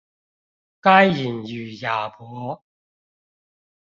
該隱與亞伯